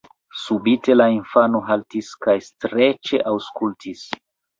Subite la infano haltis kaj streĉe aŭskultis.